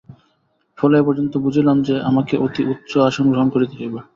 ফলে এই পর্যন্ত বুঝিলাম যে, আমাকে অতি উচ্চ আসন গ্রহণ করিতে হইবে।